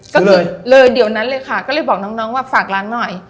ก็คือเลยเดี๋ยวนั้นเลยค่ะก็เลยบอกน้องว่าฝากร้านหน่อย